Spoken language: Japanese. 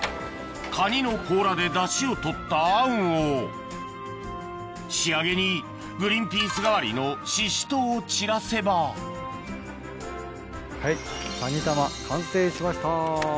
カニの甲羅でダシを取ったあんを仕上げにグリーンピース代わりのシシトウを散らせばはいカニ玉完成しました。